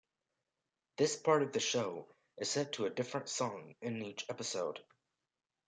This part of the show is set to a different song in each episode.